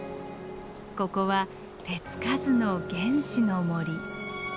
ここは手付かずの原始の森。